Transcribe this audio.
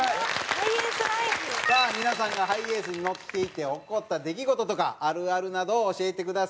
さあ皆さんがハイエースに乗っていて起こった出来事とかあるあるなどを教えてください。